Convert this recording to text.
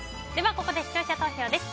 ここで視聴者投票です。